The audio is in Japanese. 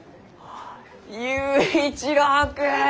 佑一郎君！